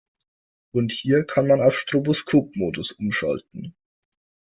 Und hier kann man auf Stroboskopmodus umschalten.